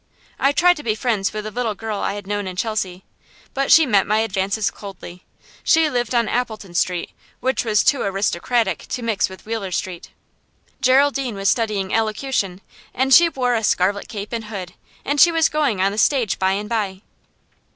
I tried to be friends with a little girl I had known in Chelsea, but she met my advances coldly. She lived on Appleton Street, which was too aristocratic to mix with Wheeler Street. Geraldine was studying elocution, and she wore a scarlet cape and hood, and she was going on the stage by and by.